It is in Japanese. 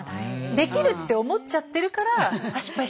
できるって思っちゃってるからあっ